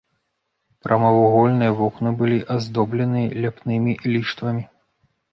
Прамавугольныя вокны былі аздобленыя ляпнымі ліштвамі.